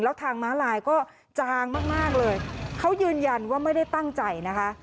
แล้วทางม้าลายก็จางมากมากเลยเขายืนยันว่าไม่ได้ตั้งใจนะคะ